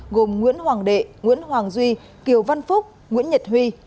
gồm nguyễn hoàng đệ nguyễn hoàng duy kiều văn phúc nguyễn nhật huy